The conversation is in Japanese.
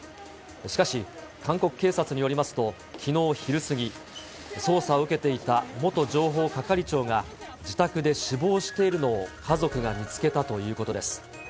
しかし、韓国警察によりますと、きのう昼過ぎ、捜査を受けていた元情報係長が、自宅で死亡しているのを家族が見つけたということです。